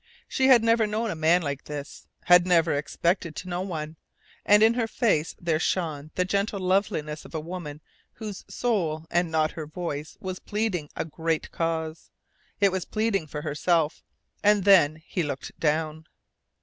She had never known a man like this, had never expected to know one; and in her face there shone the gentle loveliness of a woman whose soul and not her voice was pleading a great cause. It was pleading for her self. And then he looked down.